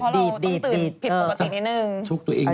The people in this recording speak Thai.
ใช่เพราะเราต้องตื่นผิดปฏิสิทธิ์หนึ่ง